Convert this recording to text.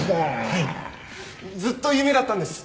はいずっと夢だったんです。